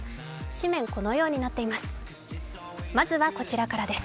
紙面、このようになっています。